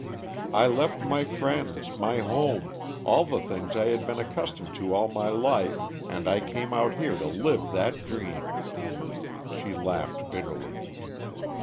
"I left my friends, my home, all the things I had been accustomed to all my life, and I came out here to live that dream!" She laughed bitterly.